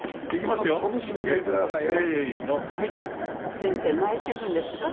「先生泣いてるんですか？」。